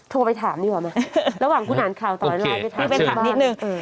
โทรไปถามนี่ก่อนนะระหว่างคุณอ่านข่าวต่ออยู่นี่ไปถาม